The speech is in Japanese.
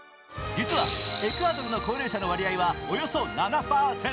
実はエクアドルの高齢者の割合はおよそ７％。